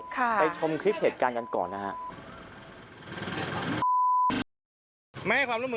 ไปชมคลิปเหตุการณ์กันก่อนนะฮะ